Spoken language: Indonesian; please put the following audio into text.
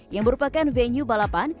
yang merupakan venue balapan